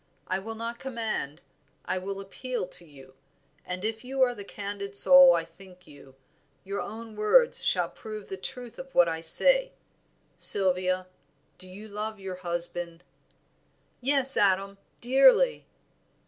I will not command, I will appeal to you, and if you are the candid soul I think you, your own words shall prove the truth of what I say. Sylvia, do you love your husband?" "Yes, Adam, dearly."